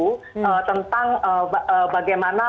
tentang bagaimana penangkapan yang terjadi itu adalah karena